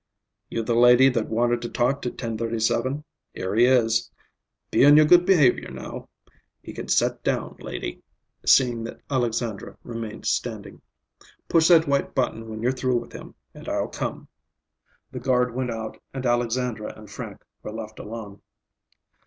"You the lady that wanted to talk to 1037? Here he is. Be on your good behavior, now. He can set down, lady," seeing that Alexandra remained standing. "Push that white button when you're through with him, and I'll come." The guard went out and Alexandra and Frank were left alone.